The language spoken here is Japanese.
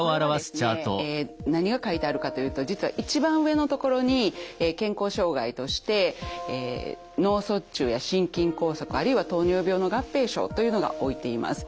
これはですね何が書いてあるかというと実は一番上の所に健康障害として脳卒中や心筋梗塞あるいは糖尿病の合併症というのが置いています。